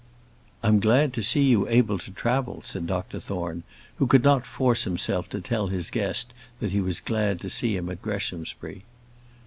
"I'm glad to see you able to travel," said Dr Thorne, who could not force himself to tell his guest that he was glad to see him at Greshamsbury.